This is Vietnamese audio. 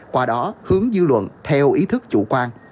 qua đó hướng dư luận theo ý thức chủ quan